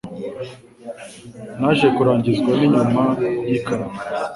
Naje kurangizwa ninyuma yikamyo.